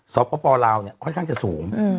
สปลาวเนี่ยค่อนข้างจะสูง